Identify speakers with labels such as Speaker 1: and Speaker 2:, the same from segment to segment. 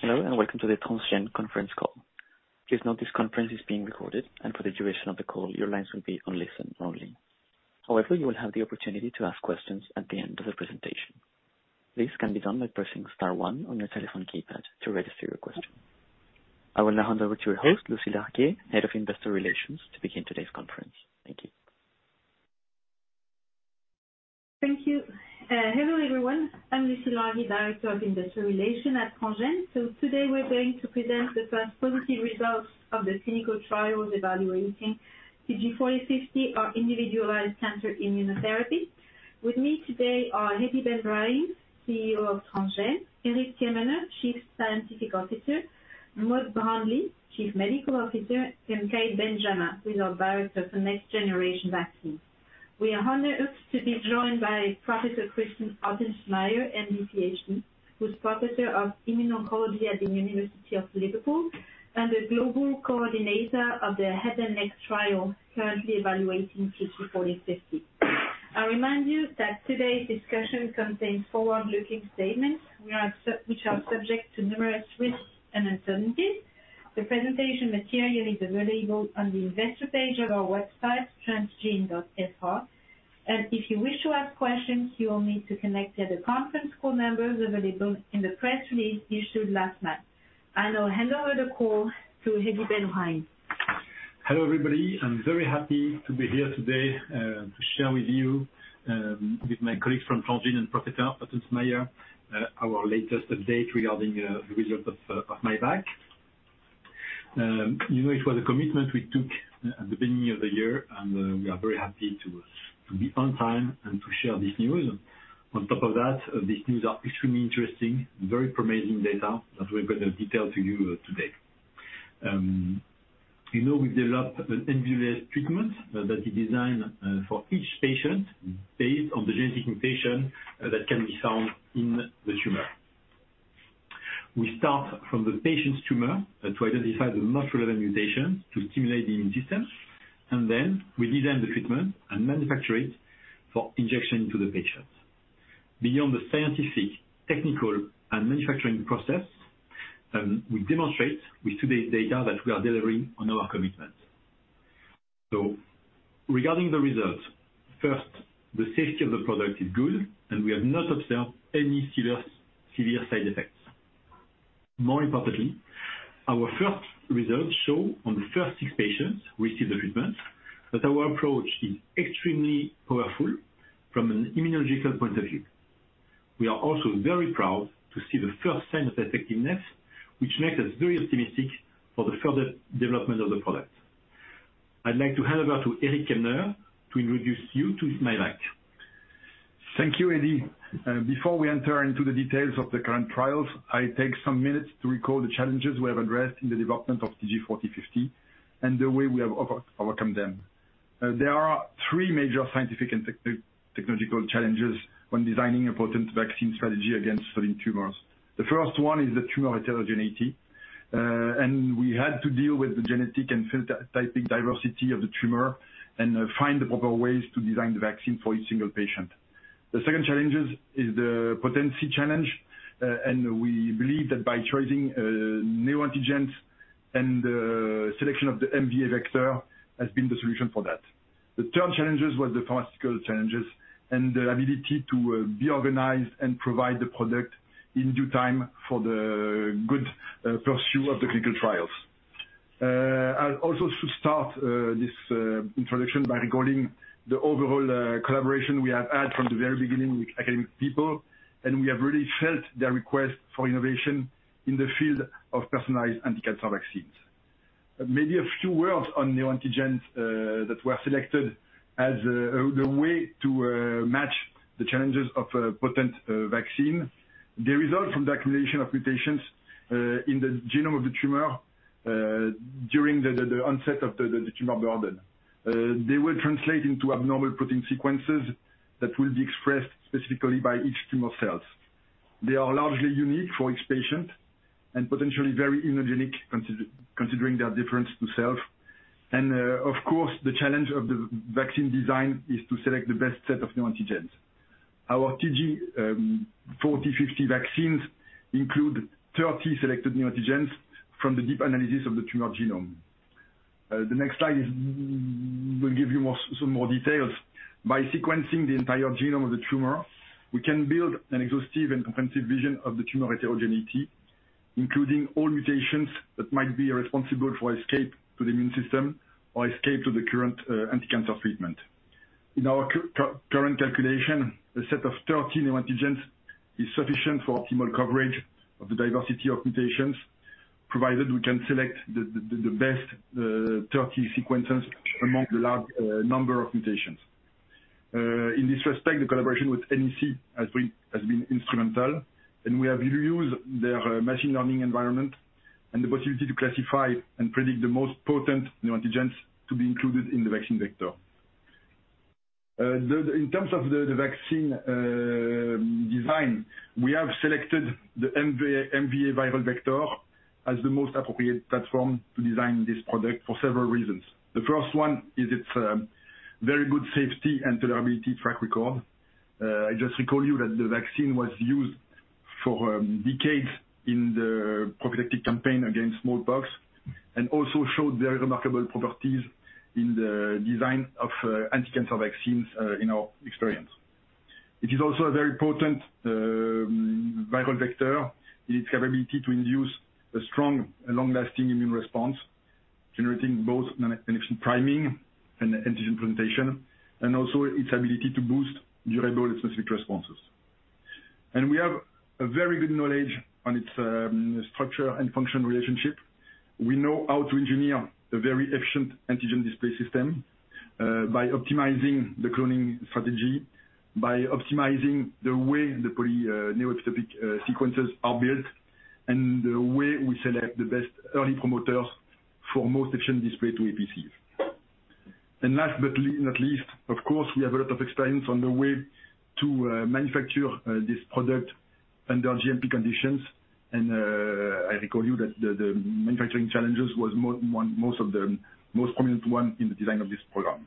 Speaker 1: Hello, and welcome to the Transgene conference call. Please note this conference is being recorded, and for the duration of the call, your lines will be on listen only. However, you will have the opportunity to ask questions at the end of the presentation. This can be done by pressing star one on your telephone keypad to register your question. I will now hand over to your host, Lucie Larguier, Head of Investor Relations, to begin today's conference. Thank you.
Speaker 2: Thank you. Hello, everyone. I'm Lucie Larguier, Director of Investor Relations at Transgene. Today we're going to present the first positive results of the clinical trial evaluating TG 4050, our individualized cancer immunotherapy. With me today are Alessandro Riva, CEO of Transgene; Maurizio Ceppi, Chief Scientific Officer; Maud Brandely, Chief Medical Officer; and Katell Bidet-Huang, who is our Director for Next Generation Vaccines. We are honored to be joined by Professor Christian Ottensmeier, MD, PhD, who's professor of immuno-oncology at the University of Liverpool and the global coordinator of the head and neck trial currently evaluating TG 4050. I remind you that today's discussion contains forward-looking statements which are subject to numerous risks and uncertainties. The presentation material is available on the investor page of our website, transgene.fr. If you wish to ask questions, you will need to connect to the conference call numbers available in the press release issued last night. I now hand over the call to Alessandro Riva.
Speaker 3: Hello, everybody. I'm very happy to be here today to share with you, with my colleagues from Transgene and Professor Ottensmeier, our latest update regarding the results of myvac®. You know it was a commitment we took at the beginning of the year, and we are very happy to be on time and to share this news. On top of that, these news are extremely interesting, very promising data that we're gonna detail to you today. You know we've developed an individualized treatment that is designed for each patient based on the genetic mutation that can be found in the tumor. We start from the patient's tumor to identify the most relevant mutations to stimulate the immune system, and then we design the treatment and manufacture it for injection to the patients. Beyond the scientific, technical, and manufacturing process, we demonstrate with today's data that we are delivering on our commitments. Regarding the results, first, the safety of the product is good, and we have not observed any serious side effects. More importantly, our first results show on the first six patients who received the treatment that our approach is extremely powerful from an immunological point of view. We are also very proud to see the first sign of effectiveness, which makes us very optimistic for the further development of the product. I'd like to hand over to Maurizio Ceppi to introduce you to myvac®.
Speaker 4: Thank you, Alessandro Riva. Before we enter into the details of the current trials, I take some minutes to recall the challenges we have addressed in the development of TG4050 and the way we have overcome them. There are three major scientific and technological challenges when designing a potent vaccine strategy against certain tumors. The first one is the tumor heterogeneity, and we had to deal with the genetic and phenotyping diversity of the tumor and find the proper ways to design the vaccine for each single patient. The second challenge is the potency challenge, and we believe that by choosing new antigens and the selection of the MVA vector has been the solution for that. The third challenges were the pharmaceutical challenges and the ability to be organized and provide the product in due time for the good pursuit of the clinical trials. I also should start this introduction by recalling the overall collaboration we have had from the very beginning with academic people, and we have really felt their request for innovation in the field of personalized anti-cancer vaccines. Maybe a few words on neoantigens that were selected as the way to match the challenges of a potent vaccine. They result from the accumulation of mutations in the genome of the tumor during the onset of the tumor burden. They will translate into abnormal protein sequences that will be expressed specifically by each tumor cells. They are largely unique for each patient and potentially very immunogenic considering their difference to self. Of course, the challenge of the vaccine design is to select the best set of neoantigens. Our TG4050 vaccines include 30 selected neoantigens from the deep analysis of the tumor genome. The next slide will give you some more details. By sequencing the entire genome of the tumor, we can build an exhaustive and comprehensive vision of the tumor heterogeneity, including all mutations that might be responsible for escape to the immune system or escape to the current anti-cancer treatment. In our current calculation, a set of 30 neoantigens is sufficient for optimal coverage of the diversity of mutations, provided we can select the best 30 sequences among the large number of mutations. In this respect, the collaboration with NEC has been instrumental, and we have used their machine learning environment and the possibility to classify and predict the most potent neoantigens to be included in the vaccine vector. In terms of the vaccine design, we have selected the MVA viral vector as the most appropriate platform to design this product for several reasons. The first one is its very good safety and tolerability track record. I just remind you that the vaccine was used for decades in the prophylactic campaign against smallpox, and also showed very remarkable properties in the design of anti-cancer vaccines in our experience. It is also a very potent viral vector in its capability to induce a strong and long-lasting immune response, generating both an efficient priming and antigen presentation, and also its ability to boost durable specific responses. We have a very good knowledge on its structure and function relationship. We know how to engineer a very efficient antigen display system by optimizing the cloning strategy, by optimizing the way the poly neoepitope sequences are built, and the way we select the best early promoter for more efficient display to APCs. Last but not least, of course, we have a lot of experience on the way to manufacture this product under GMP conditions. I recall you that the manufacturing challenges was most prominent one in the design of this program.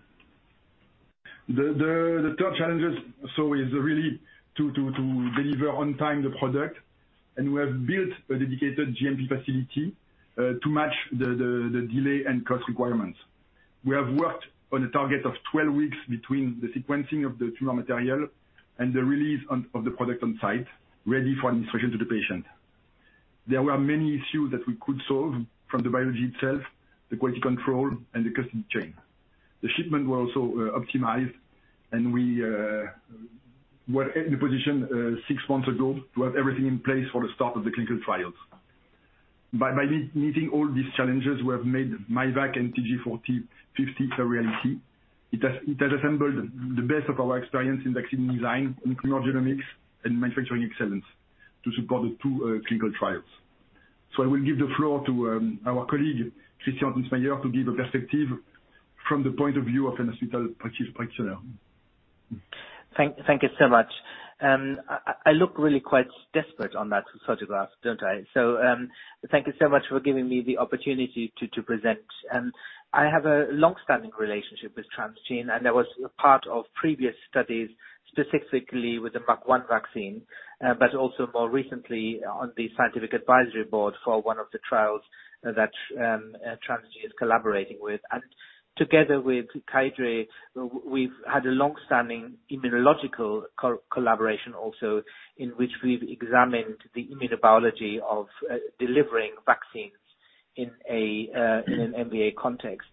Speaker 4: The top challenges is really to deliver on time the product. We have built a dedicated GMP facility to match the delay and cost requirements. We have worked on a target of 12 weeks between the sequencing of the tumor material and the release of the product on site ready for administration to the patient. There were many issues that we could solve from the biology itself, the quality control and the supply chain. The shipment was also optimized, and we were in a position six months ago to have everything in place for the start of the clinical trials. By meeting all these challenges, we have made myvac® and TG4050 a reality. It has assembled the best of our experience in vaccine design, in tumor genomics and manufacturing excellence to support the two clinical trials. I will give the floor to our colleague, Christian Ottensmeier, to give a perspective from the point of view of a hospital practitioner.
Speaker 5: Thank you so much. I look really quite desperate on that photograph, don't I? Thank you so much for giving me the opportunity to present. I have a long-standing relationship with Transgene, and I was a part of previous studies, specifically with the MUC1 vaccine, but also more recently on the scientific advisory board for one of the trials that Transgene is collaborating with. Together with Kydray, we've had a long-standing immunological collaboration also, in which we've examined the immunobiology of delivering vaccines in an MVA context.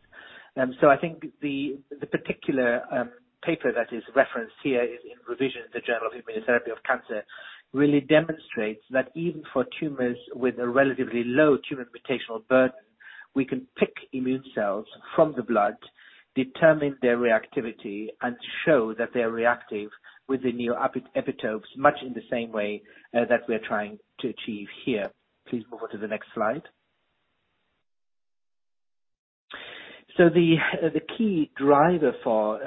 Speaker 5: I think the particular paper that is referenced here is under revision in the Journal for ImmunoTherapy of Cancer, really demonstrates that even for tumors with a relatively low tumor mutational burden, we can pick immune cells from the blood, determine their reactivity and show that they're reactive with the neoepitopes, much in the same way that we are trying to achieve here. Please move on to the next slide. The key driver for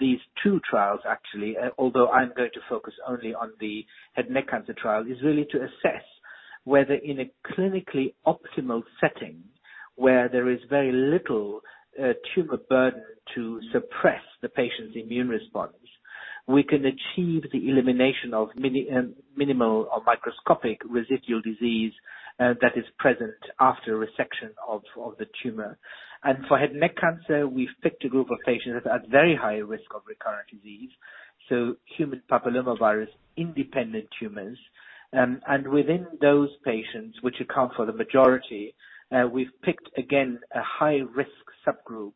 Speaker 5: these two trials actually, although I'm going to focus only on the head and neck cancer trial, is really to assess whether in a clinically optimal setting where there is very little tumor burden to suppress the patient's immune response, we can achieve the elimination of minimal or microscopic residual disease that is present after resection of the tumor. For head and neck cancer, we've picked a group of patients at very high risk of recurrent disease, so human papillomavirus-independent tumors. Within those patients, which account for the majority, we've picked again a high-risk subgroup,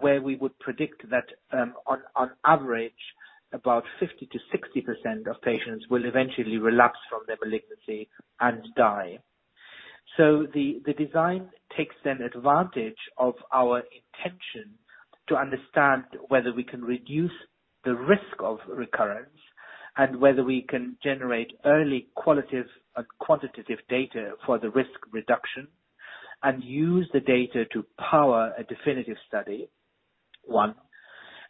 Speaker 5: where we would predict that, on average, about 50%-60% of patients will eventually relapse from their malignancy and die. The design takes advantage of our intention to understand whether we can reduce the risk of recurrence and whether we can generate early qualitative and quantitative data for the risk reduction and use the data to power a definitive study, one.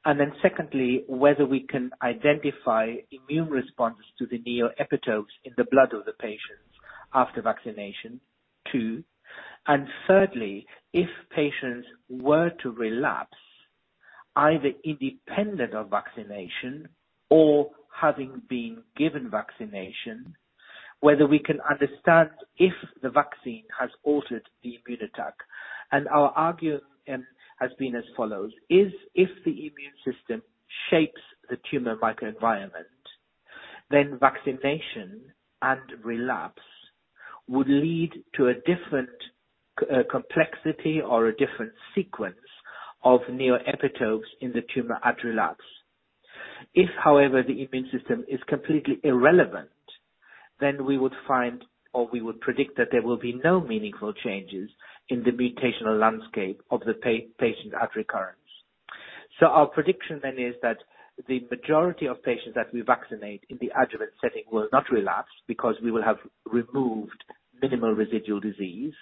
Speaker 5: Then secondly, whether we can identify immune response to the neoepitopes in the blood of the patients after vaccination, two. Thirdly, if patients were to relapse, either independent of vaccination or having been given vaccination, whether we can understand if the vaccine has altered the immune attack. Our argument has been as follows. If the immune system shapes the tumor microenvironment, then vaccination and relapse would lead to a different complexity or a different sequence of neoepitopes in the tumor at relapse. If, however, the immune system is completely irrelevant, then we would find or we would predict that there will be no meaningful changes in the mutational landscape of the patient at recurrence. Our prediction then is that the majority of patients that we vaccinate in the adjuvant setting will not relapse because we will have removed minimal residual disease.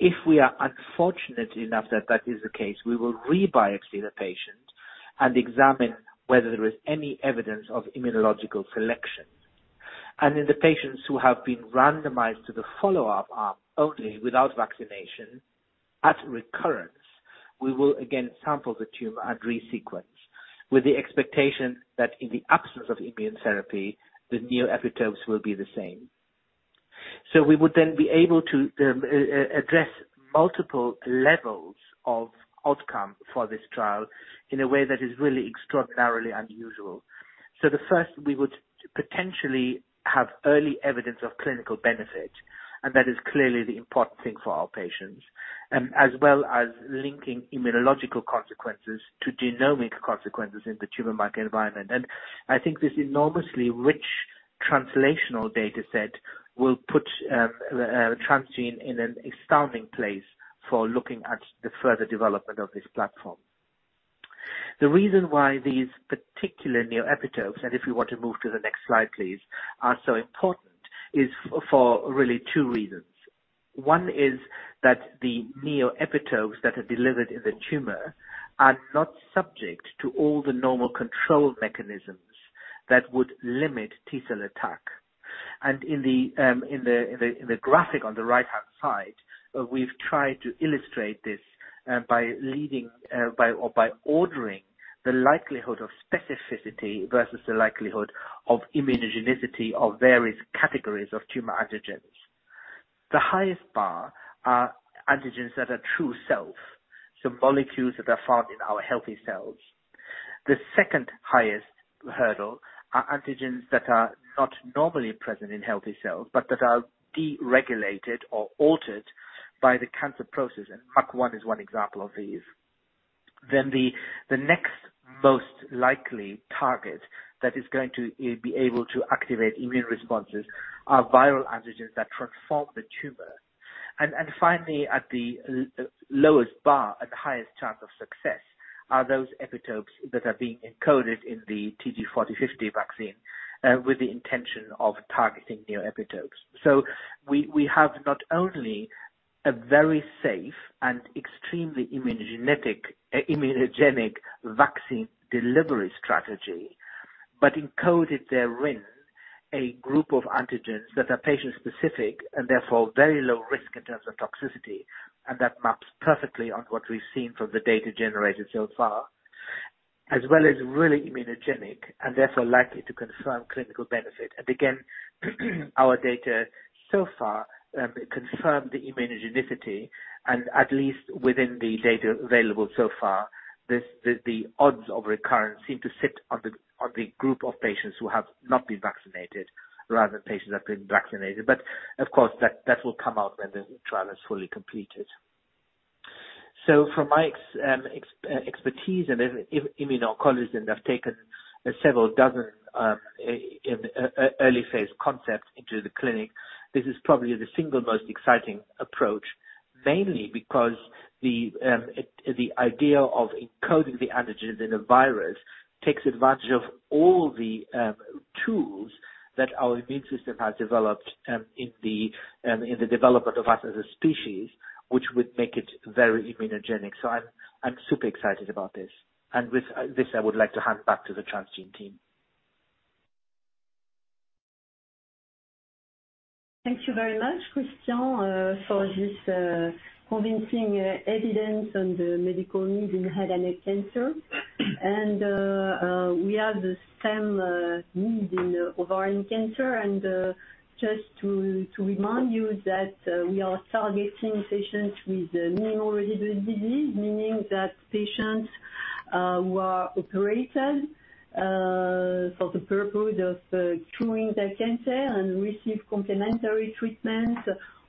Speaker 5: If we are unfortunate enough that that is the case, we will re-biopsy the patient and examine whether there is any evidence of immunological selection. In the patients who have been randomized to the follow-up arm only without vaccination, at recurrence, we will again sample the tumor and resequence with the expectation that in the absence of immune therapy, the neoepitopes will be the same. We would then be able to address multiple levels of outcome for this trial in a way that is really extraordinarily unusual. The first, we would potentially have early evidence of clinical benefit, and that is clearly the important thing for our patients, as well as linking immunological consequences to genomic consequences in the tumor microenvironment. I think this enormously rich translational data set will put Transgene in an astounding place for looking at the further development of this platform. The reason why these particular neoepitopes, and if you want to move to the next slide, please, are so important is for really two reasons. One is that the neoepitopes that are delivered in the tumor are not subject to all the normal control mechanisms that would limit T-cell attack. In the graphic on the right-hand side, we've tried to illustrate this by ordering the likelihood of specificity versus the likelihood of immunogenicity of various categories of tumor antigens. The highest bar are antigens that are true self, so molecules that are found in our healthy cells. The second highest hurdle are antigens that are not normally present in healthy cells, but that are deregulated or altered by the cancer process, and MUC1 is one example of these. The next most likely target that is going to be able to activate immune responses are viral antigens that transform the tumor. Finally, at the lowest bar and highest chance of success are those epitopes that are being encoded in the TG4050 vaccine with the intention of targeting neoepitopes. We have not only a very safe and extremely immunogenic vaccine delivery strategy, but encoded therein a group of antigens that are patient specific and therefore very low risk in terms of toxicity, and that maps perfectly on what we've seen from the data generated so far, as well as really immunogenic, and therefore likely to confirm clinical benefit. Our data so far confirm the immunogenicity, and at least within the data available so far, the odds of recurrence seem to sit on the group of patients who have not been vaccinated rather than patients that have been vaccinated. Of course, that will come out when the trial is fully completed. From my expertise in immuno-oncology, and I've taken several dozen early phase concepts into the clinic, this is probably the single most exciting approach, mainly because the idea of encoding the antigens in a virus takes advantage of all the tools that our immune system has developed in the development of us as a species, which would make it very immunogenic. I'm super excited about this. With this, I would like to hand back to the Transgene team.
Speaker 6: Thank you very much, Christian, for this convincing evidence on the medical need in head and neck cancer. We have the same need in ovarian cancer. Just to remind you that we are targeting patients with minimal residual disease, meaning that patients who are operated for the purpose of curing their cancer and receive complementary treatment,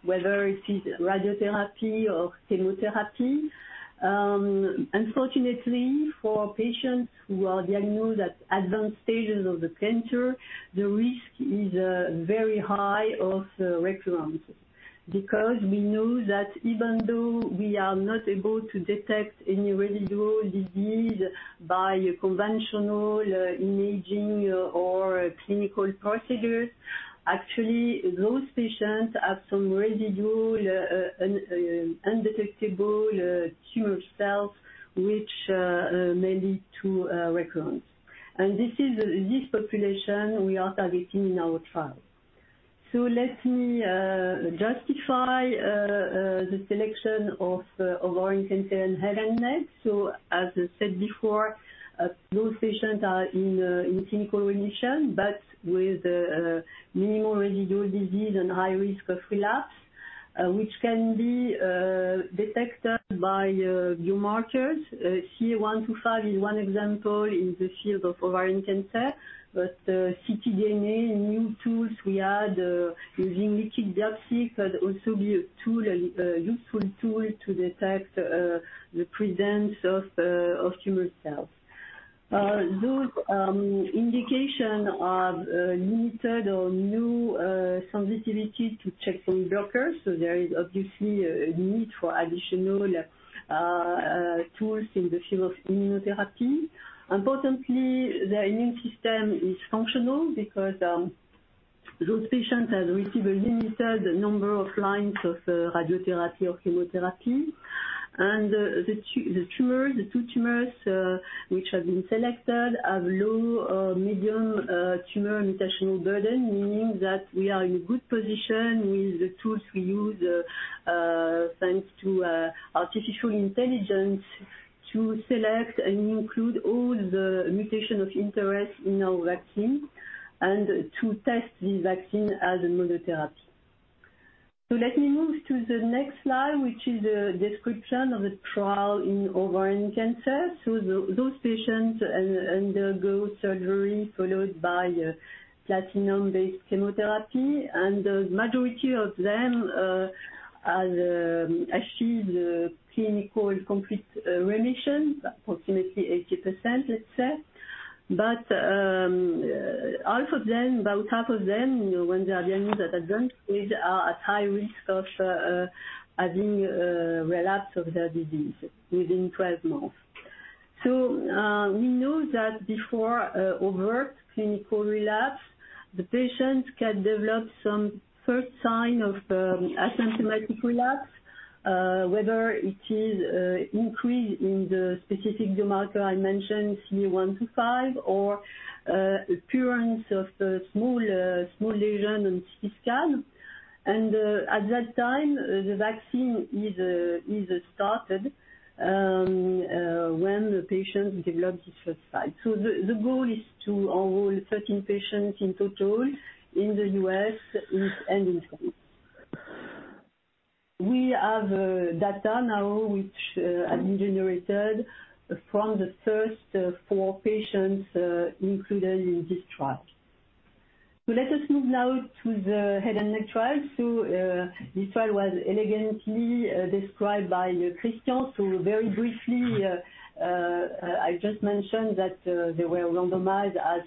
Speaker 6: whether it is radiotherapy or chemotherapy. Unfortunately for patients who are diagnosed at advanced stages of the cancer, the risk is very high of recurrence because we know that even though we are not able to detect any residual disease by conventional imaging or clinical procedures, actually those patients have some residual undetectable tumor cells which may lead to a recurrence. This is the population we are targeting in our trial. Let me justify the selection of ovarian cancer and head and neck. As I said before, those patients are in clinical remission, but with minimal residual disease and high risk of relapse, which can be detected by biomarkers. CA-125 is one example in the field of ovarian cancer. But ctDNA and new tools we had using liquid biopsy could also be a useful tool to detect the presence of tumor cells. Those indications are limited or no sensitivity to checkpoint blockers. There is obviously a need for additional tools in the field of immunotherapy. Importantly, the immune system is functional because those patients have received a limited number of lines of radiotherapy or chemotherapy. The two tumors which have been selected have low to medium tumor mutational burden, meaning that we are in a good position with the tools we use thanks to artificial intelligence to select and include all the mutation of interest in our vaccine and to test the vaccine as a monotherapy. Let me move to the next slide, which is a description of the trial in ovarian cancer. Those patients undergo surgery followed by platinum-based chemotherapy, and the majority of them have achieved clinical complete remission, approximately 80% let's say. Half of them, about half of them, when they are diagnosed at advanced stage are at high risk of having a relapse of their disease within 12 months. We know that before overt clinical relapse, the patients can develop some first sign of asymptomatic relapse, whether it is increase in the specific biomarker I mentioned, CA-125, or appearance of small lesion on CT scan. At that time, the vaccine is started when the patient develops his first sign. The goal is to enroll 13 patients in total in the U.S. and in France. We have data now which has been generated from the first four patients included in this trial. Let us move now to the head and neck trial. This trial was elegantly described by Christian. Very briefly, I just mentioned that they were randomized as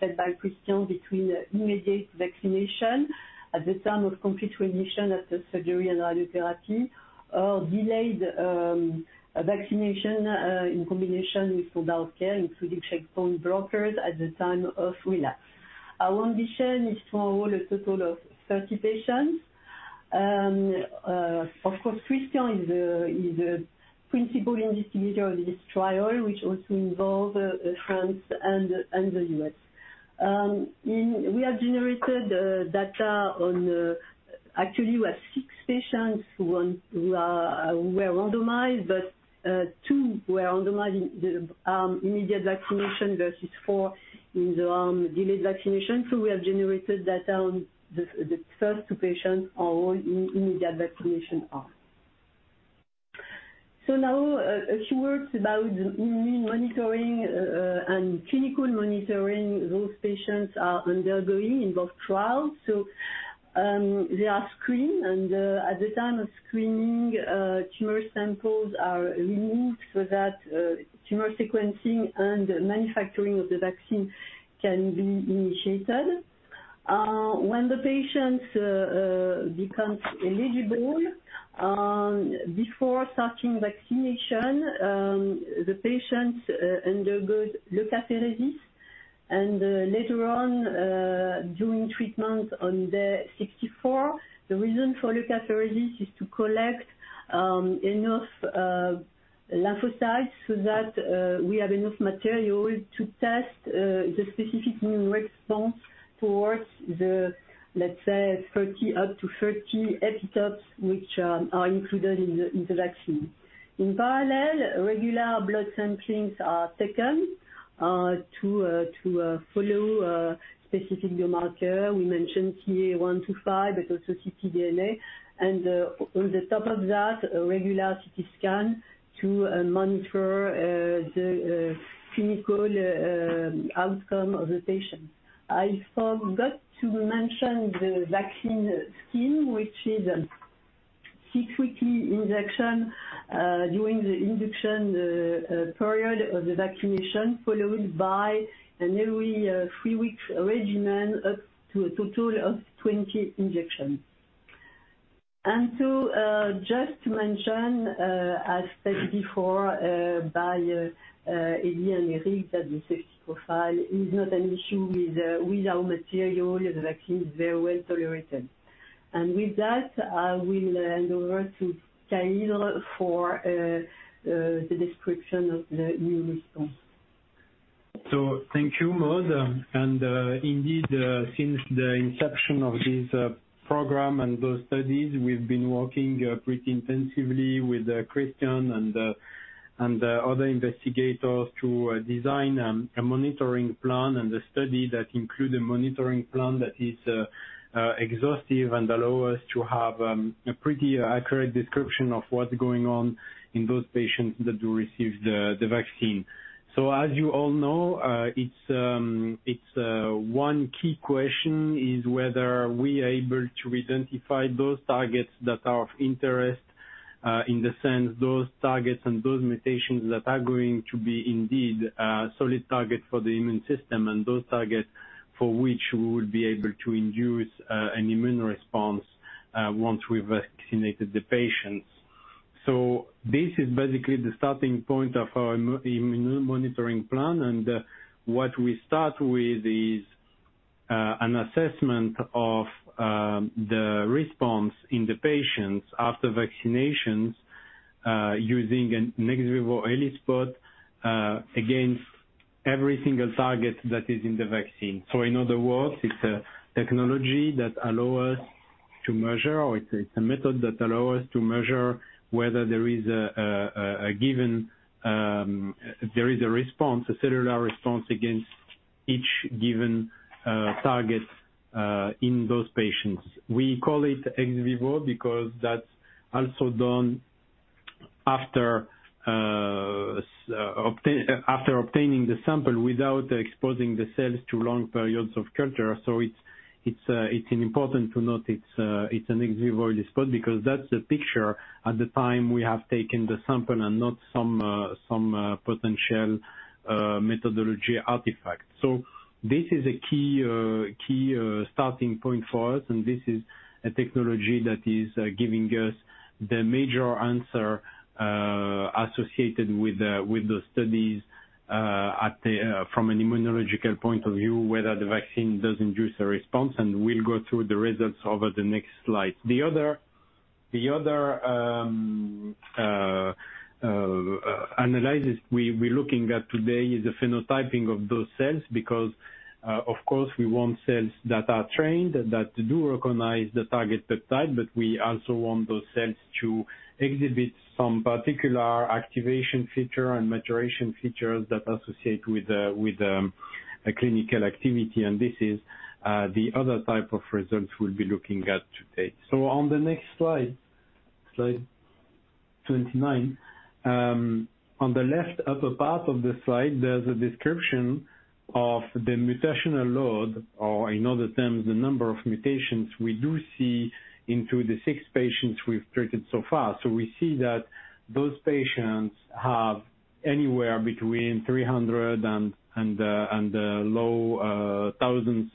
Speaker 6: said by Christian between immediate vaccination at the time of complete remission after surgery and radiotherapy, or delayed vaccination in combination with standard care, including checkpoint blockers at the time of relapse. Our ambition is to enroll a total of 30 patients. Of course, Christian is the principal investigator of this trial, which also involves France and the U.S. Actually we have generated data on six patients who were randomized, but two were randomized in the immediate vaccination versus four in the delayed vaccination. We have generated data on the first two patients who all immediate vaccination are. Now a few words about immune monitoring, and clinical monitoring those patients are undergoing in both trials. They are screened and, at the time of screening, tumor samples are removed so that, tumor sequencing and manufacturing of the vaccine can be initiated. When the patients become eligible, before starting vaccination, the patients undergo leukapheresis and later on, during treatment on day 64. The reason for leukapheresis is to collect, enough, lymphocytes so that, we have enough material to test, the specific immune response towards the, let's say 40, up to 30 epitopes which, are included in the, in the vaccine. In parallel, regular blood samplings are taken, to follow, specific biomarker. We mentioned CA-125, but also ctDNA. On the top of that, a regular CT scan to monitor the clinical outcome of the patient. I forgot to mention the vaccine scheme, which is a six weekly injection during the induction period of the vaccination, followed by an every three weeks regimen up to a total of 20 injections. To just mention, as said before by Elie and Eric, that the safety profile is not an issue with our material. The vaccine is very well tolerated. With that, I will hand over to Katell for the description of the immune response.
Speaker 7: Thank you, Maud. Indeed, since the inception of this program and those studies, we've been working pretty intensively with Christian and other investigators to design a monitoring plan and a study that include a monitoring plan that is exhaustive and allow us to have a pretty accurate description of what's going on in those patients that do receive the vaccine. As you all know, it's one key question is whether we are able to identify those targets that are of interest, in the sense those targets and those mutations that are going to be indeed solid targets for the immune system and those targets for which we would be able to induce an immune response once we've vaccinated the patients. This is basically the starting point of our immune monitoring plan. What we start with is an assessment of the response in the patients after vaccinations using an ex vivo ELISpot against every single target that is in the vaccine. In other words, it's a technology that allow us to measure, or it's a method that allow us to measure whether there is a given... There is a response, a cellular response against each given target in those patients. We call it ex vivo because that's also done after obtaining the sample without exposing the cells to long periods of culture. It's an ex vivo ELISpot because that's the picture at the time we have taken the sample and not some potential methodology artifact. This is a key starting point for us, and this is a technology that is giving us the major answer associated with the studies from an immunological point of view, whether the vaccine does induce a response. We'll go through the results over the next slide. The other analysis we're looking at today is the phenotyping of those cells because, of course, we want cells that are trained, that do recognize the target peptide, but we also want those cells to exhibit some particular activation feature and maturation features that associate with the clinical activity. This is the other type of results we'll be looking at today. On the next slide 29, on the left upper part of the slide, there's a description of the mutational load or in other terms, the number of mutations we do see in the six patients we've treated so far. We see that those patients have anywhere between 300 and the low thousands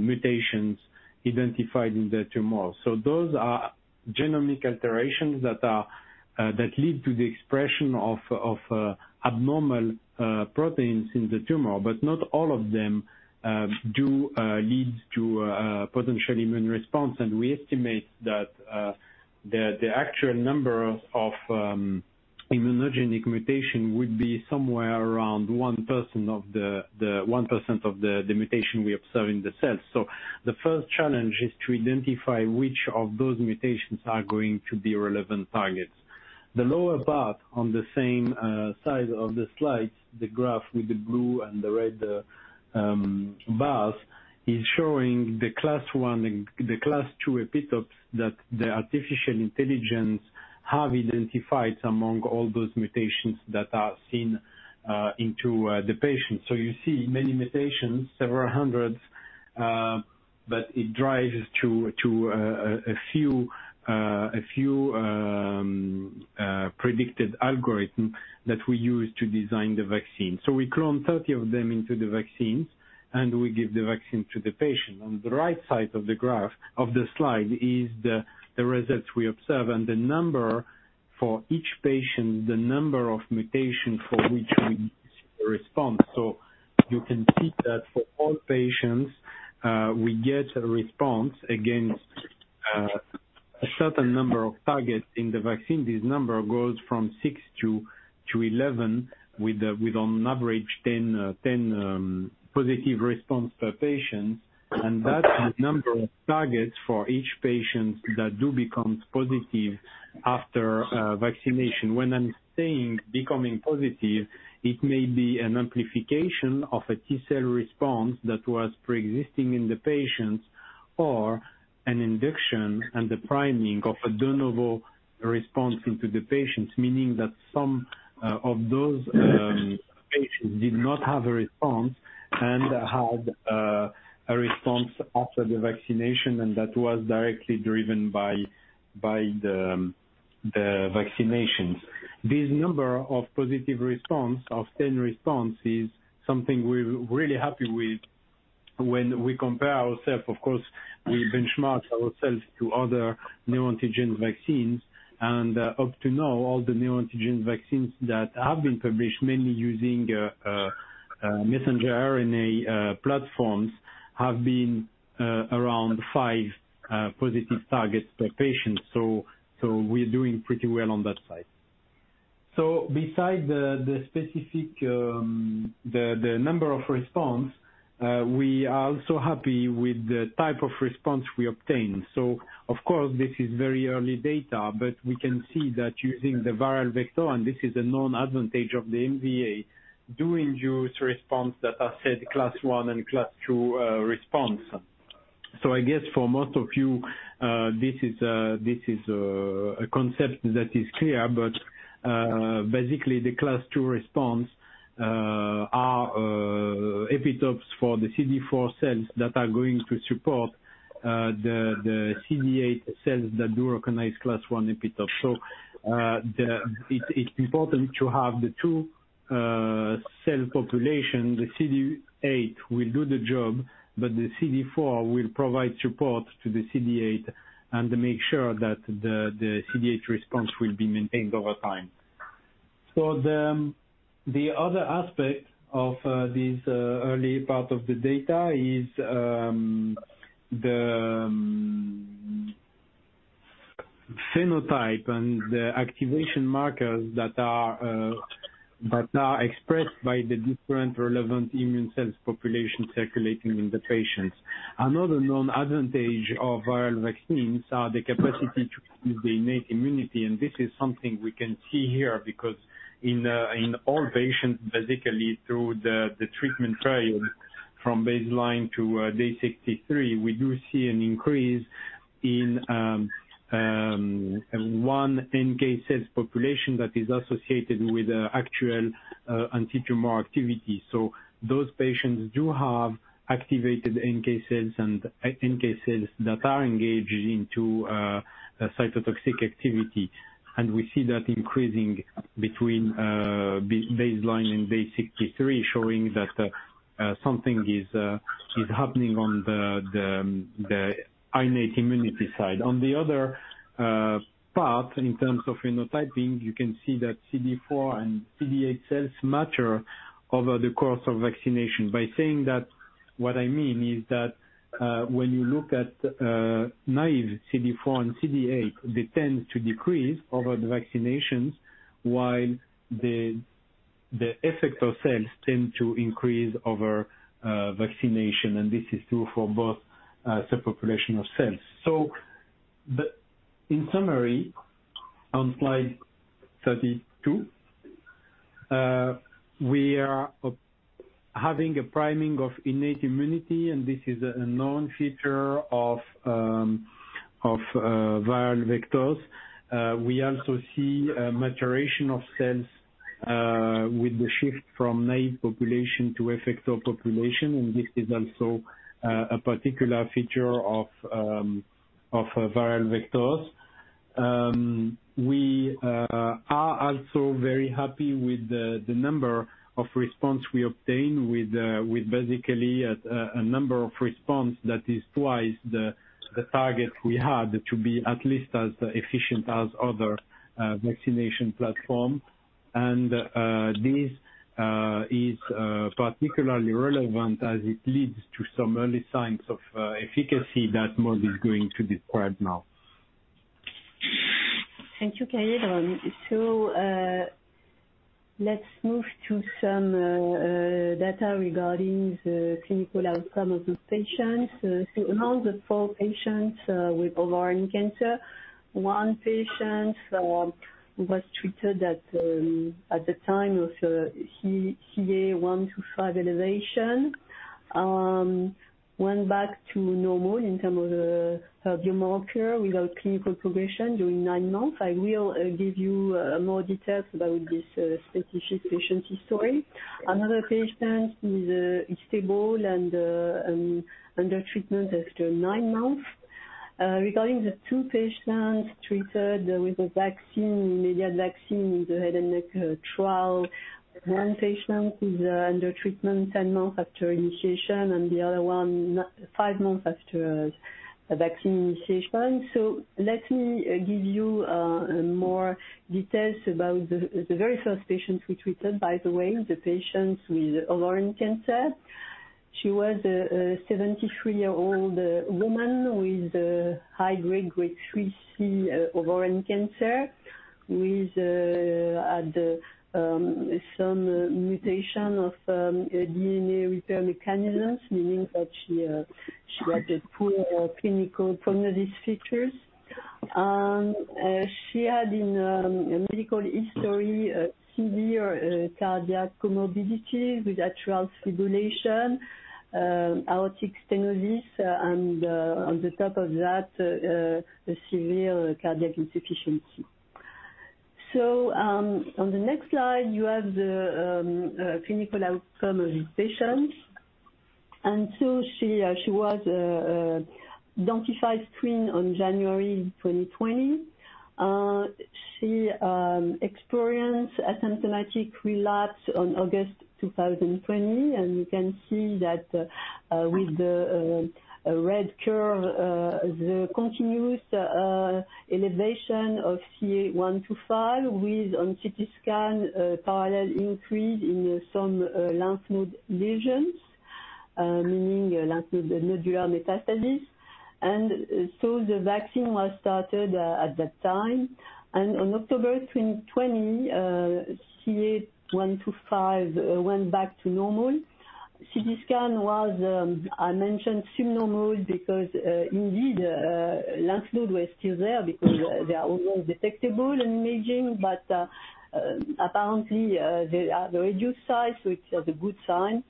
Speaker 7: mutations identified in the tumor. Those are genomic alterations that lead to the expression of abnormal proteins in the tumor, but not all of them do lead to a potential immune response. We estimate that the actual number of immunogenic mutations would be somewhere around 1% of the mutations we observe in the cells. The first challenge is to identify which of those mutations are going to be relevant targets. The lower part on the same side of the slide, the graph with the blue and the red bars, is showing the class one and the class two epitopes that the artificial intelligence have identified among all those mutations that are seen in the patient. You see many mutations, several hundreds, but it drives to a few predicted algorithm that we use to design the vaccine. We clone 30 of them into the vaccines, and we give the vaccine to the patient. On the right side of the graph of the slide is the results we observe and the number for each patient, the number of mutations for which we see a response. You can see that for all patients, we get a response against a certain number of targets in the vaccine. This number goes from six to 11 with on average 10 positive response per patient. That's the number of targets for each patient that do becomes positive after vaccination. When I'm saying becoming positive, it may be an amplification of a T-cell response that was preexisting in the patients or an induction and the priming of a de novo response into the patients. Meaning that some of those patients did not have a response and had a response after the vaccination, and that was directly driven by the vaccinations. This number of positive responses of 10 is something we're really happy with when we compare ourselves. Of course, we benchmark ourselves to other neoantigen vaccines, and up to now, all the neoantigen vaccines that have been published, mainly using messenger RNA platforms, have been around five positive targets per patient. We're doing pretty well on that side. Besides the specific, the number of response, we are also happy with the type of response we obtain. Of course this is very early data, but we can see that using the viral vector, and this is a known advantage of the MVA, do induce response that are class I and class II, response. I guess for most of you, this is a concept that is clear, but basically the class II response are epitopes for the CD4 cells that are going to support the CD8 cells that do recognize class I epitopes. It's important to have the two cell population. The CD8 will do the job, but the CD4 will provide support to the CD8 and make sure that the CD8 response will be maintained over time. The other aspect of this early part of the data is the phenotype and the activation markers that are expressed by the different relevant immune cells population circulating in the patients. Another known advantage of viral vaccines are the capacity to improve the innate immunity, and this is something we can see here because in all patients, basically through the treatment trial from baseline to day 63, we do see an increase in one NK cells population that is associated with actual antitumor activity. Those patients do have activated NK cells and NK cells that are engaged into cytotoxic activity. We see that increasing between baseline and day 63, showing that something is happening on the innate immunity side. On the other part, in terms of phenotyping, you can see that CD4 and CD8 cells mature over the course of vaccination. By saying that, what I mean is that when you look at naive CD4 and CD8, they tend to decrease over the vaccinations while the effector cells tend to increase over vaccination. This is true for both subpopulations of cells. In summary, on slide 32, we are having a priming of innate immunity, and this is a known feature of viral vectors. We also see a maturation of cells with the shift from naive population to effector population, and this is also a particular feature of viral vectors. We are also very happy with the number of response we obtain with basically a number of response that is twice the target we had to be at least as efficient as other vaccination platform. This is particularly relevant as it leads to some early signs of efficacy that Maud is going to describe now.
Speaker 6: Thank you, Katell. Let's move to some data regarding the clinical outcome of the patients. 104 patients with ovarian cancer. One patient was treated at the time of CA-125 elevation. Went back to normal in terms of the biomarker without clinical progression during nine months. I will give you more details about this specific patient history. Another patient is stable and under treatment after nine months. Regarding the two patients treated with the vaccine, immediate vaccine in the head and neck trial, one patient is under treatment 10 months after initiation, and the other one 9.5 months after vaccine initiation. Let me give you more details about the very first patient we treated, by the way, the patient with ovarian cancer. She was a 73 year-old woman with a high-grade 3C ovarian cancer with some mutation of DNA repair mechanisms, meaning that she had poor prognostic features. She had in medical history a severe cardiac comorbidity with atrial fibrillation, aortic stenosis, and on top of that a severe cardiac insufficiency. On the next slide you have the clinical outcome of the patient. She was screened on January 2020. She experienced asymptomatic relapse on August 2020. You can see that with the red curve the continuous elevation of CA-125 with, on CT scan, parallel increase in some lymph node lesions, meaning lymph node nodal metastasis. The vaccine was started at that time. On October 2020, CA-125 went back to normal. CT scan was, I mentioned semi-normal because, indeed, lymph node was still there because they are almost undetectable in imaging, but, apparently, they are the reduced size, so it's a good sign.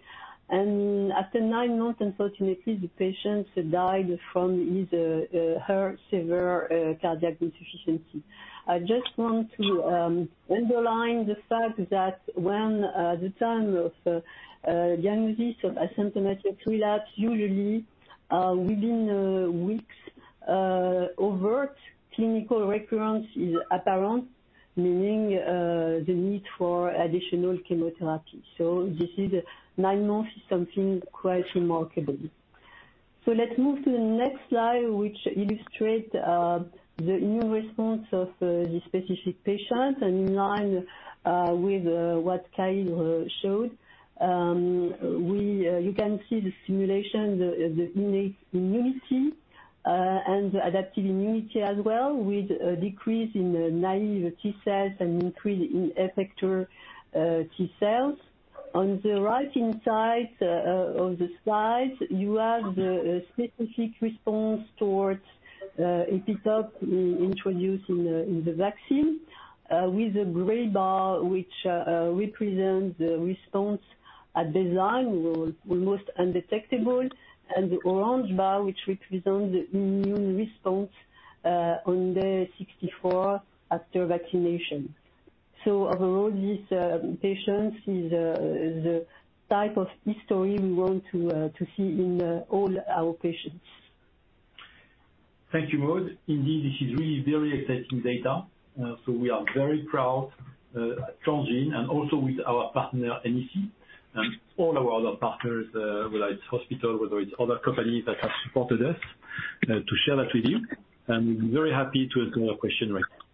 Speaker 6: After nine months, unfortunately, the patient died from her severe cardiac insufficiency. I just want to underline the fact that when the time of diagnosis of asymptomatic relapse, usually within weeks, overt clinical recurrence is apparent, meaning the need for additional chemotherapy. This nine months is something quite remarkable. Let's move to the next slide, which illustrates the immune response of the specific patient and in line with what Katell showed. You can see the simulation, the innate immunity and the adaptive immunity as well, with a decrease in naive T-cells and increase in effector T-cells. On the right-hand side of the slide, you have the specific response towards epitope introduced in the vaccine, with the gray bar, which represents the response at baseline were almost undetectable, and the orange bar, which represents the immune response on day 64 after vaccination. Overall, this patient is the type of history we want to see in all our patients.
Speaker 3: Thank you, Maud. Indeed, this is really very exciting data, so we are very proud at Transgene and also with our partner NEC and all our other partners, whether it's hospital, whether it's other companies that have supported us, to share that with you. We're very happy to answer your question right now.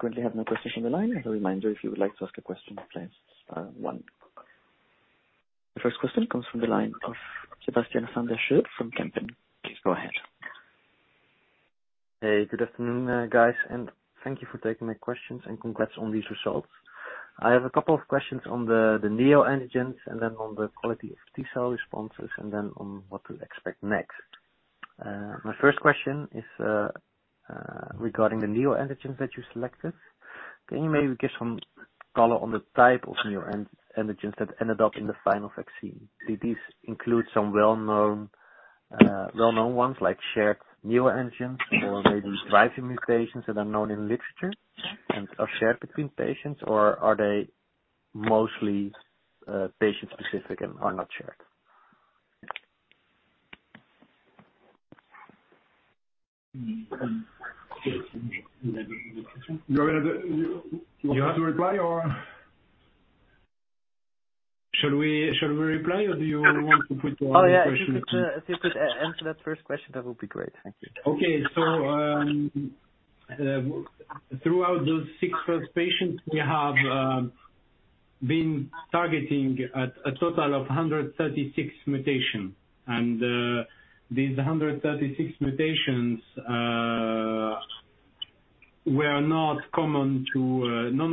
Speaker 1: The first question comes from the line of Sebastiaan van der Schoot from Kempen. Please go ahead.
Speaker 8: Hey, good afternoon, guys, and thank you for taking my questions and congrats on these results. I have a couple of questions on the neoantigens and then on the quality of T-cell responses and then on what to expect next. My first question is regarding the neoantigens that you selected. Can you maybe give some color on the type of neoantigens that ended up in the final vaccine? Did these include some well-known ones like shared neoantigens or maybe driving mutations that are known in literature and are shared between patients? Or are they mostly patient specific and are not shared?
Speaker 3: Do you want to reply or? Should we reply or do you want to put your question?
Speaker 8: Oh, yeah. If you could answer that first question, that would be great. Thank you.
Speaker 3: Throughout those first six patients, we have been targeting a total of 136 mutations. These 136 mutations, none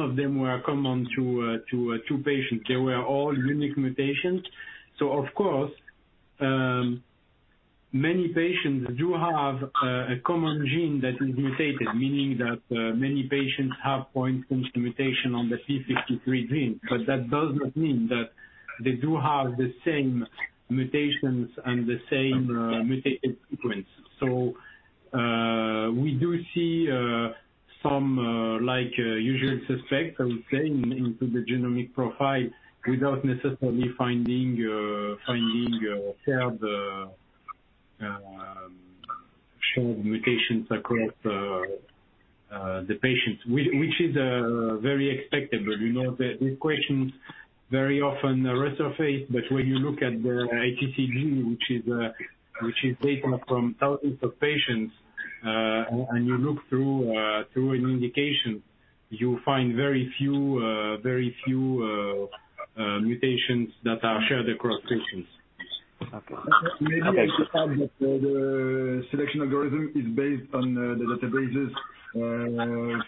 Speaker 3: of them were common to two patients. They were all unique mutations. Of course, many patients do have a common gene that is mutated, meaning that many patients have point mutation on the TP53 gene. But that does not mean that they do have the same mutations and the same mutated sequence. We do see some like usual suspects, I would say, in the genomic profile without necessarily finding shared mutations across the patients, which is very expected. You know, these questions very often resurface, but when you look at the TCGA, which is data from thousands of patients, and you look through an indication, you'll find very few mutations that are shared across patients.
Speaker 8: Okay. Okay.
Speaker 4: Maybe I should add that the selection algorithm is based on the databases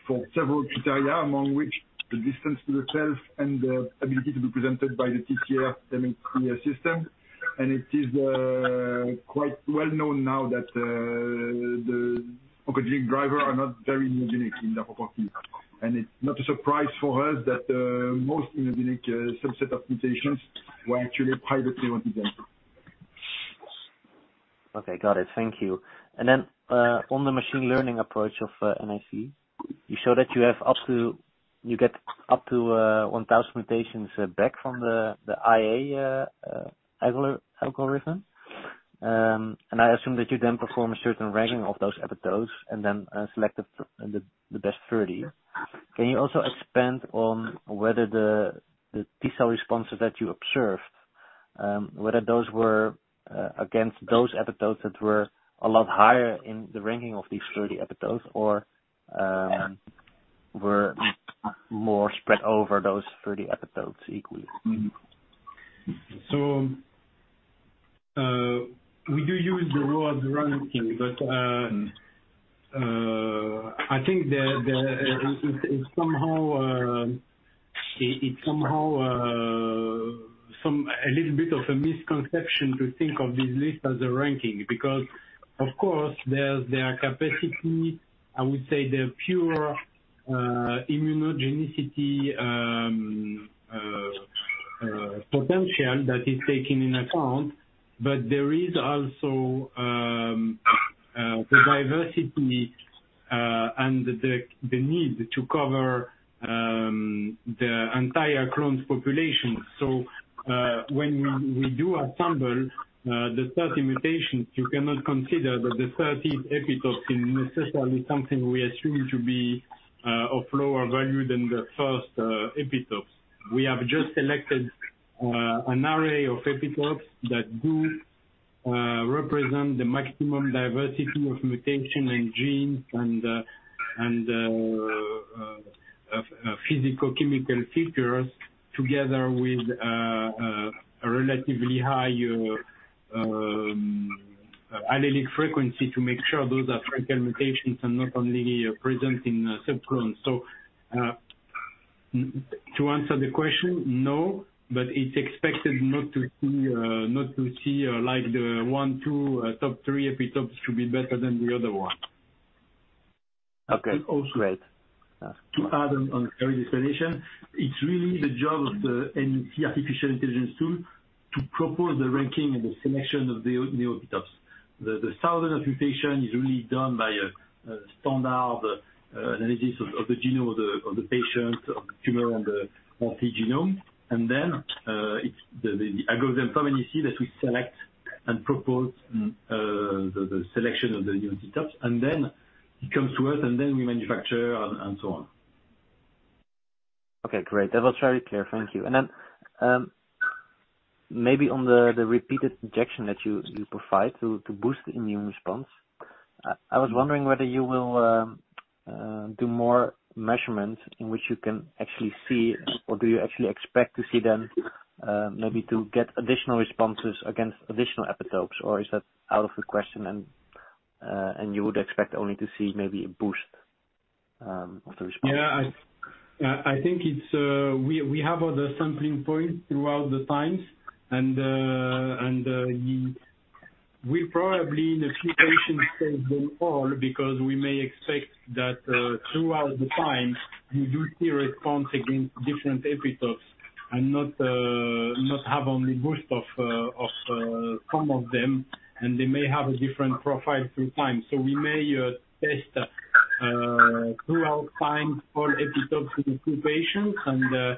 Speaker 4: for several criteria, among which the distance to the self and the ability to be presented by the TCR/MHC system. It is quite well known now that the oncogene drivers are not very immunogenic in their properties. It's not a surprise for us that most immunogenic subset of mutations were actually privately represented.
Speaker 8: Okay. Got it. Thank you. Then, on the machine learning approach of NEC, you show that you get up to 1,000 mutations back from the AI algorithm. I assume that you then perform a certain ranking of those epitopes and then select the best 30. Can you also expand on whether the T-cell responses that you observed were against those epitopes that were a lot higher in the ranking of these 30 epitopes or were more spread over those 30 epitopes equally?
Speaker 7: We do use the word ranking, but I think it's somehow a little bit of a misconception to think of this list as a ranking because of course, there's their capacity, I would say their pure immunogenicity potential that is taken into account. There is also the diversity and the need to cover the entire clone's population. When we do assemble the 30 mutations, you cannot consider that the 30th epitope is necessarily something we assume to be of lower value than the first epitopes. We have just selected an array of epitopes that do represent the maximum diversity of mutation and genes and physicochemical features together with a relatively high allelic frequency to make sure those are frequent mutations and not only present in subclone. To answer the question, no, but it's expected not to see like the one, two, top three epitopes to be better than the other one.
Speaker 8: Okay. Great.
Speaker 7: To add on, it's really the job of the NEC artificial intelligence tool to propose the ranking and the selection of the neoepitopes. The 1,000 mutations are really done by a standard analysis of the genome of the patient, of the tumor and the normal genome. It's the algorithm from NEC that we select and propose the selection of the neoepitopes, and then it comes to us, and then we manufacture and so on.
Speaker 8: Okay, great. That was very clear. Thank you. Maybe on the repeated injection that you provide to boost the immune response, I was wondering whether you will do more measurements in which you can actually see or do you actually expect to see them, maybe to get additional responses against additional epitopes? Or is that out of the question and you would expect only to see maybe a boost of the response?
Speaker 7: Yeah, I think it's we have other sampling points throughout the times and we probably in a few patients take them all because we may expect that throughout the time we do see response against different epitopes and not have only boost of some of them, and they may have a different profile through time. We may test throughout time all epitopes in two patients, and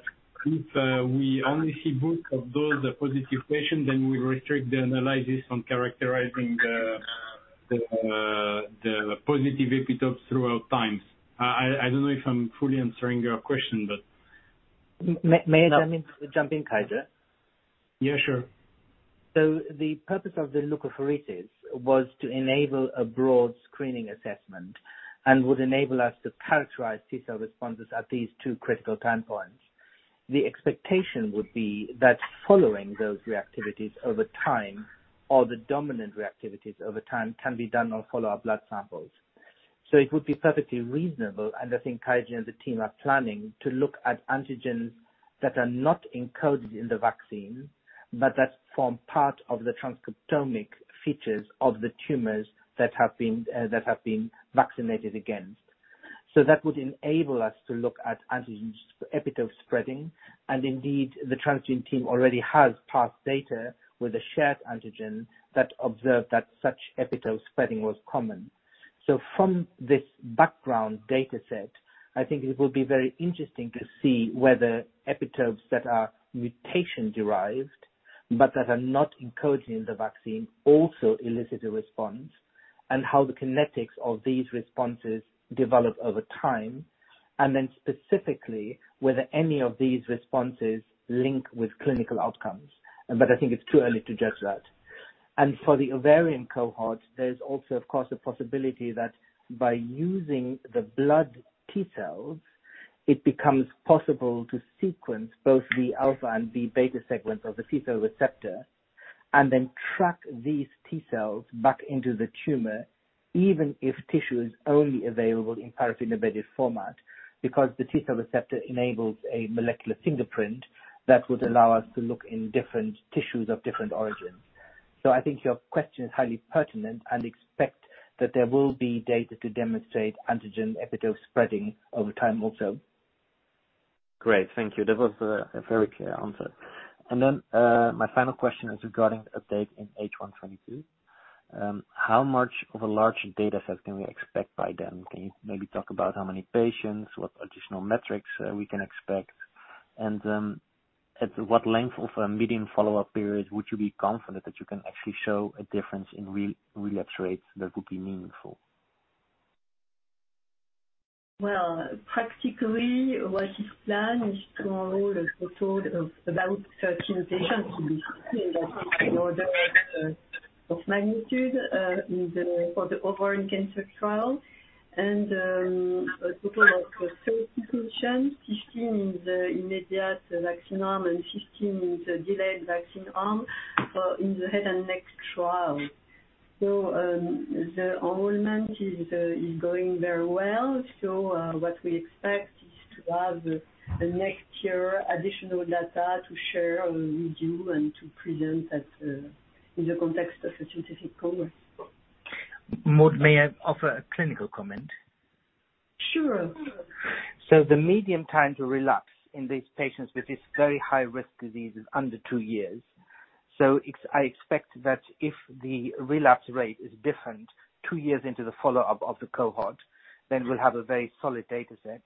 Speaker 7: if we only see boost of those positive patients, then we restrict the analysis on characterizing the positive epitopes throughout times. I don't know if I'm fully answering your question, but.
Speaker 5: May I jump in, Katell?
Speaker 7: Yeah, sure.
Speaker 5: The purpose of the leukapheresis was to enable a broad screening assessment and would enable us to characterize T-cell responses at these two critical time points. The expectation would be that following those reactivities over time or the dominant reactivities over time can be done on follow-up blood samples. It would be perfectly reasonable, and I think Katell and the team are planning to look at antigens that are not encoded in the vaccine, but that form part of the transcriptomic features of the tumors that have been vaccinated against. That would enable us to look at antigens epitope spreading, and indeed, the Transgene team already has past data with a shared antigen that observed that such epitope spreading was common. From this background data set, I think it will be very interesting to see whether epitopes that are mutation derived but that are not encoded in the vaccine also elicit a response, and how the kinetics of these responses develop over time, and then specifically, whether any of these responses link with clinical outcomes. I think it's too early to judge that. For the ovarian cohort, there's also, of course, a possibility that by using the blood T-cells, it becomes possible to sequence both the alpha and the beta sequence of the T-cell receptor and then track these T-cells back into the tumor, even if tissue is only available in paraffin-embedded format because the T-cell receptor enables a molecular fingerprint that would allow us to look in different tissues of different origins. I think your question is highly pertinent and expect that there will be data to demonstrate antigen epitope spreading over time also.
Speaker 8: Great. Thank you. That was a very clear answer. My final question is regarding the update in H1 2022. How large a data set can we expect by then? Can you maybe talk about how many patients, what additional metrics, we can expect? At what length of a median follow-up period would you be confident that you can actually show a difference in relapse rates that would be meaningful?
Speaker 6: Well, practically, what is planned is to enroll a total of about 13 patients in this order of magnitude for the ovarian cancer trial, and a total of 30 patients, 15 in the immediate vaccine arm and 15 in the delayed vaccine arm, in the head and neck trial. The enrollment is going very well. What we expect is to have the next year additional data to share with you and to present at, in the context of a scientific congress.
Speaker 5: Maud, may I offer a clinical comment?
Speaker 6: Sure.
Speaker 5: The median time to relapse in these patients with this very high risk disease is under two years. I expect that if the relapse rate is different two years into the follow-up of the cohort, then we'll have a very solid data set.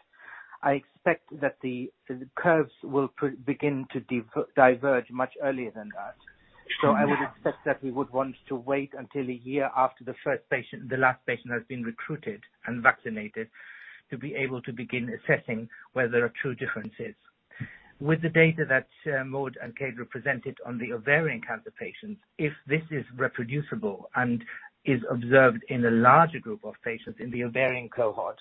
Speaker 5: I expect that the curves will begin to diverge much earlier than that. I would expect that we would want to wait until a year after the first patient, the last patient has been recruited and vaccinated to be able to begin assessing whether there are true differences. With the data that, Maud and Kate represented on the ovarian cancer patients, if this is reproducible and is observed in a larger group of patients in the ovarian cohort,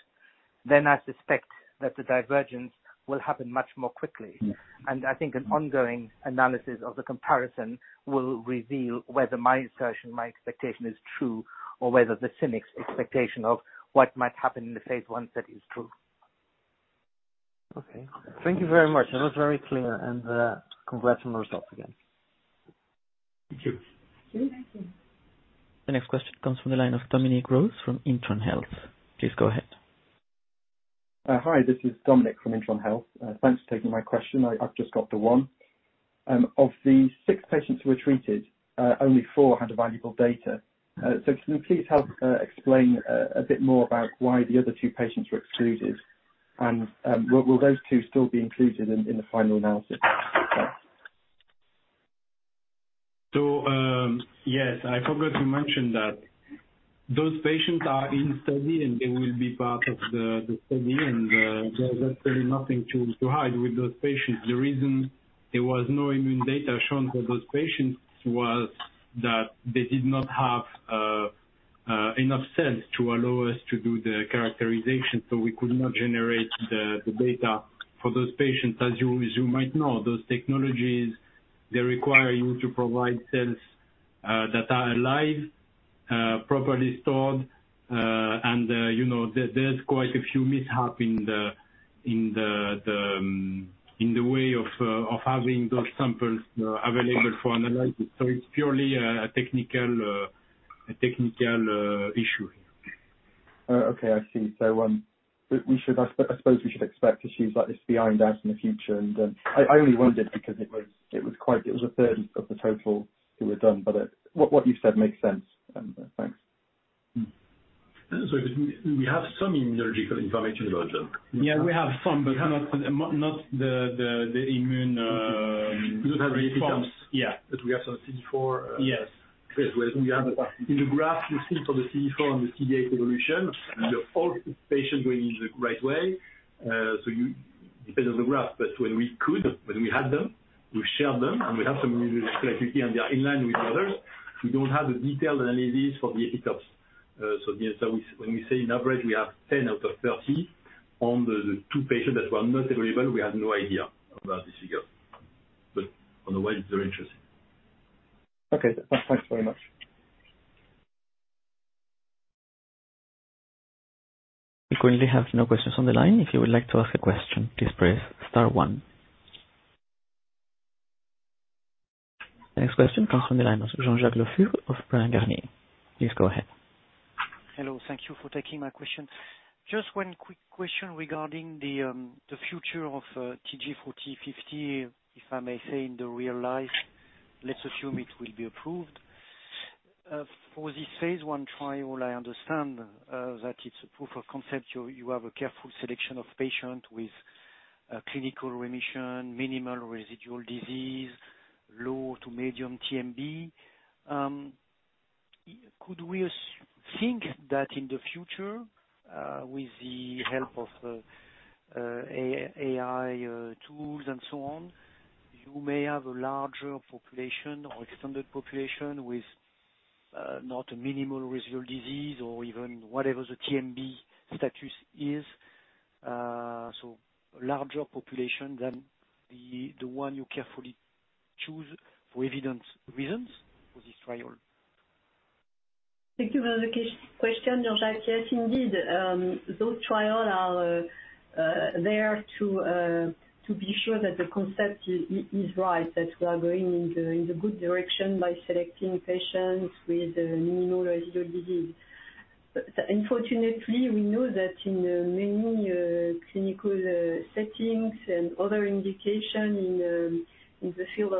Speaker 5: then I suspect that the divergence will happen much more quickly. I think an ongoing analysis of the comparison will reveal whether my assertion, my expectation is true, or whether the cynic's expectation of what might happen in the phase I study is true.
Speaker 8: Okay. Thank you very much. That was very clear. Congrats on the results again.
Speaker 3: Thank you.
Speaker 1: The next question comes from the line of Dominic Rose from Intron Health. Please go ahead.
Speaker 9: Hi, this is Dominic from Intron Health. Thanks for taking my question. I've just got the one. Of the six patients who were treated, only four had valuable data. Can you please help explain a bit more about why the other two patients were excluded? Will those two still be included in the final analysis?
Speaker 7: Yes, I forgot to mention that those patients are in the study, and they will be part of the study. There's absolutely nothing to hide with those patients. The reason there was no immune data shown for those patients was that they did not have enough cells to allow us to do the characterization, so we could not generate the data for those patients. As you might know, those technologies require you to provide cells that are alive, properly stored. You know, there's quite a few mishaps in the way of having those samples available for analysis. It's purely a technical issue.
Speaker 9: Okay. I see. We should expect issues like this to be ironed out in the future. I only wondered because it was quite 1/3 of the total who were done. What you've said makes sense. Thanks.
Speaker 7: We have some immunological information, though.
Speaker 6: Yeah, we have some, but not the immune.
Speaker 7: We have some CD4.
Speaker 6: Yes.
Speaker 7: We have in the graph you see for the CD4 and the CD8 evolution, all patients going in the right way. Depends on the graph, but when we could, when we had them, we shared them, and we have some and they are in line with the others. We don't have the detailed analysis for the epitopes. So, when we say on average we have 10 out of 30 on the two patients that were not available, we have no idea about this figure. Otherwise, very interesting.
Speaker 9: Okay, thanks very much.
Speaker 1: We currently have no questions on the line. If you would like to ask a question, please press star one. The next question comes from the line of Jean-Jacques Le Fur of Bryan, Garnier & Co. Please go ahead.
Speaker 10: Hello. Thank you for taking my question. Just one quick question regarding the future of TG4050, if I may say in the real life. Let's assume it will be approved. For the phase I trial, I understand that it's a proof of concept. You have a careful selection of patient with clinical remission, minimal residual disease, low to medium TMB. Could we think that in the future, with the help of AI tools and so on, you may have a larger population or extended population with not a minimal residual disease or even whatever the TMB status is, so larger population than the one you carefully choose for evident reasons for this trial?
Speaker 6: Thank you for the question, Jean-Jacques. Yes, indeed, those trials are there to be sure that the concept is right, that we are going in the good direction by selecting patients with minimal residual disease. Unfortunately we know that in many clinical settings and other indications in the field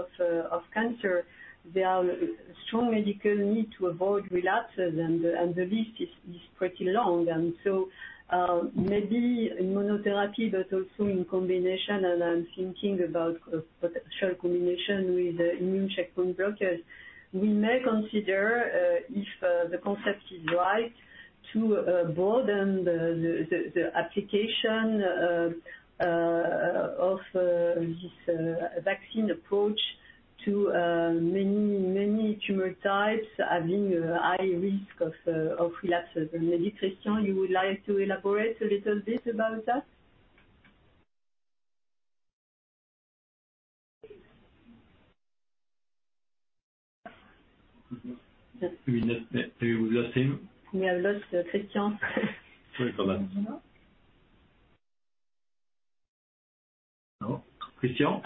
Speaker 6: of cancer, there are strong medical needs to avoid relapses and the list is pretty long. Maybe in monotherapy but also in combination, and I'm thinking about a potential combination with immune checkpoint blockers. We may consider, if the concept is right, to broaden the application of this vaccine approach to many tumor types having a high risk of relapse. Maybe Christian, you would like to elaborate a little bit about that?
Speaker 7: We've lost him.
Speaker 6: We have lost Christian.
Speaker 3: Christian?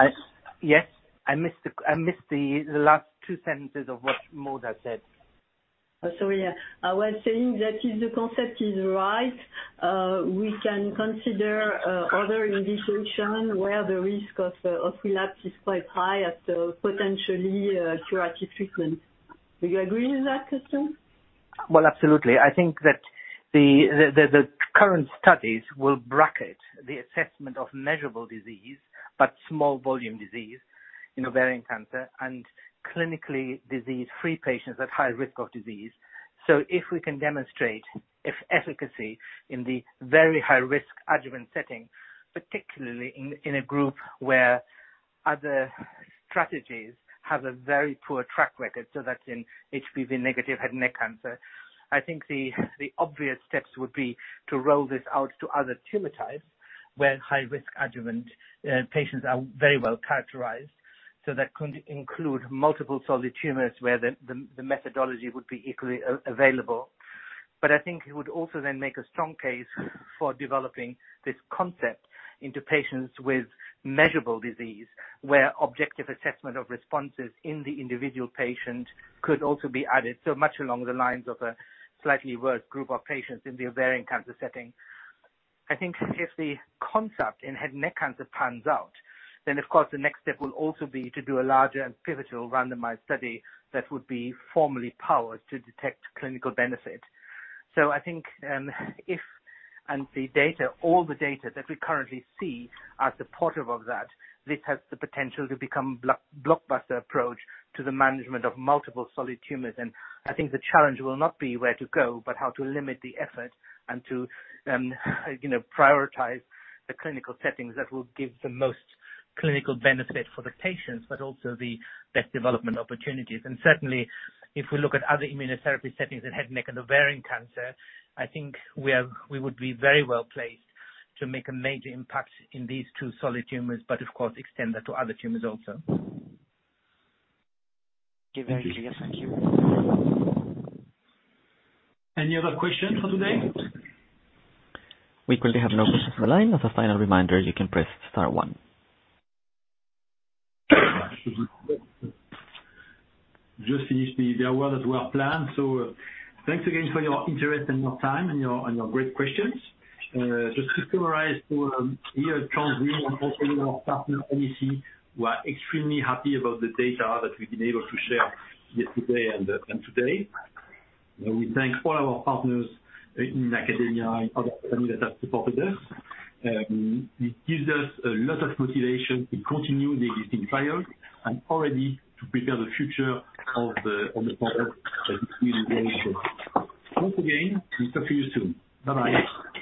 Speaker 10: Yes, I missed the last two sentences of what Maud had said.
Speaker 6: Oh, sorry. I was saying that if the concept is right, we can consider other indication where the risk of relapse is quite high as a potentially curative treatment. Do you agree with that, Christian?
Speaker 5: Well, absolutely. I think that the current studies will bracket the assessment of measurable disease, but small volume disease in ovarian cancer and clinically disease-free patients at high risk of disease. If we can demonstrate efficacy in the very high-risk adjuvant setting, particularly in a group where other strategies have a very poor track record, that's in HPV-negative head and neck cancer. I think the obvious steps would be to roll this out to other tumor types where high-risk adjuvant patients are very well characterized. That could include multiple solid tumors where the methodology would be equally available. I think it would also then make a strong case for developing this concept into patients with measurable disease, where objective assessment of responses in the individual patient could also be added, so much along the lines of a slightly worse group of patients in the ovarian cancer setting. I think if the concept in head and neck cancer pans out, then of course, the next step will also be to do a larger and pivotal randomized study that would be formally powered to detect clinical benefit. I think if the data, all the data that we currently see are supportive of that, this has the potential to become blockbuster approach to the management of multiple solid tumors. I think the challenge will not be where to go, but how to limit the effort and to, you know, prioritize the clinical settings that will give the most clinical benefit for the patients, but also the best development opportunities. Certainly, if we look at other immunotherapy settings in head and neck, and ovarian cancer, I think we would be very well placed to make a major impact in these two solid tumors, but of course extend that to other tumors also. Okay. Very clear. Thank you.
Speaker 3: Any other question for today?
Speaker 1: We currently have no questions on the line. As a final reminder, you can press star one.
Speaker 3: just finished the hour that was planned. Thanks again for your interest and your time and your great questions. Just to summarize for, you know, Transgene and also our partner, NEC, we are extremely happy about the data that we've been able to share yesterday and today. We thank all our partners in academia and other companies that have supported us. It gives us a lot of motivation to continue the existing trials and already to prepare the future of the product. Once again, we talk to you soon. Bye-bye.